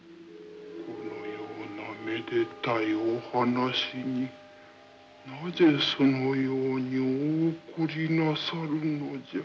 このようなめでたいお話になぜそのようにお怒りなさるのじゃ。